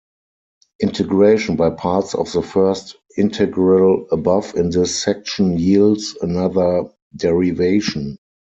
Integration by parts of the first integral above in this section yields another derivation.